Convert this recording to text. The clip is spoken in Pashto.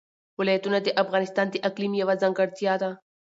ولایتونه د افغانستان د اقلیم یوه ځانګړتیا ده.